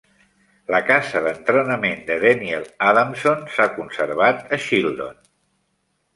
La casa d'Entrenament de Daniel Adamson s'ha conservat a Shildon